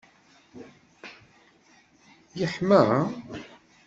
Yeḥma?